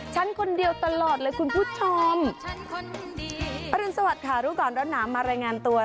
ฉันคนเดียวตลอดเลยคุณผู้ชมสวัสดีค่ะรูปกรณ์ร้อนน้ำมารายงานตัว